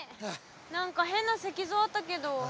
何か変な石像あったけど。